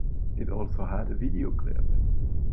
It also had a video clip.